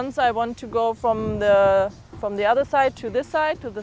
ke sisi matahari dengan sepeda